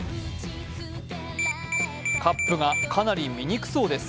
カップがかなり見にくそうです。